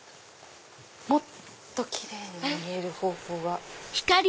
もっと奇麗に見える方法が。